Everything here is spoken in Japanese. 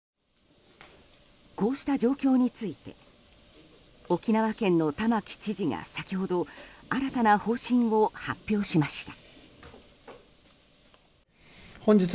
こうした状況について沖縄県の玉城知事が先ほど新たな方針を発表しました。